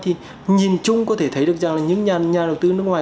thì nhìn chung có thể thấy được rằng là những nhà đầu tư nước ngoài